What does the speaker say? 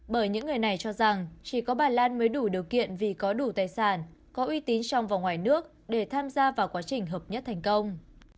bởi những người này cho rằng chỉ có bà lan mới đủ điều kiện vì có đủ tài sản có uy tín trong và ngoài nước để tham gia vào quá trình hợp nhất thành công